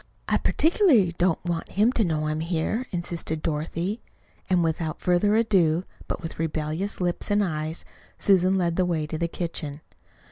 I particularly don't want him to know I am here," insisted Dorothy. And without further ado, but with rebellious lips and eyes, Susan led the way to the kitchen.